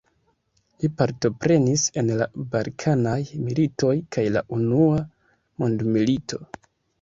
Li partoprenis en la Balkanaj militoj kaj la Unua Mondmilito.